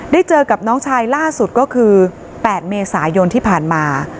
เจอกับน้องชายล่าสุดก็คือ๘เมษายนที่ผ่านมา